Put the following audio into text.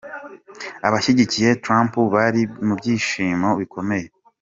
Abashyigikiye Trump bari mu byishimo bikomeye.